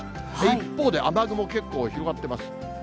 一方で、雨雲、結構広がってます。